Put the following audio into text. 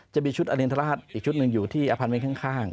จะมีชุดอรินทราชอีกชุดหนึ่งอยู่ที่อพาร์เว้นข้าง